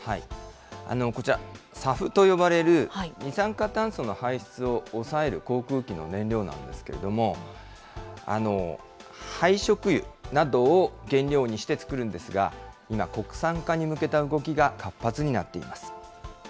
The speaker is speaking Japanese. こちら、ＳＡＦと呼ばれる、二酸化炭素の排出を抑える航空機の燃料なんですけれども、廃食油などを原料にして作るんですが、今、国産化に向けた動きが活発になっています。